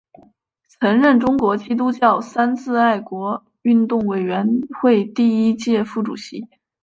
曾任中国基督教三自爱国运动委员会第一届副主席。